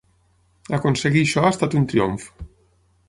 Aconseguir això ha estat un triomf.